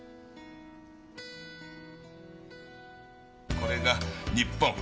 これが日本。